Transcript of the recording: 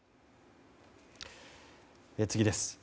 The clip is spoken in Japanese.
次です。